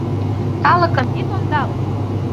Калыкым ит ондале!